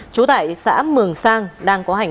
chú tại xã mường sang đang có hành